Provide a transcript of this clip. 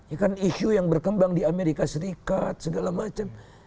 ya kan isu yang berkembang di amerika serikat segala macam